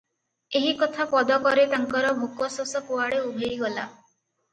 ଏହି କଥା ପଦକରେ ତାଙ୍କର ଭୋକ ଶୋଷ କୁଆଡ଼େ ଉଭେଇ ଗଲା ।